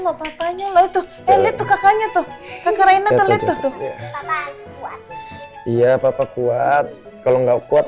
lho papanya lo itu lihat tuh kakaknya tuh kakaknya tuh iya papa kuat kalau nggak kuat